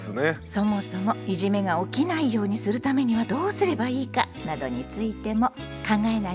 そもそもいじめが起きないようにするためにはどうすればいいかなどについても考えないといけないわね。